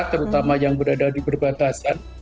terutama yang berada di perbatasan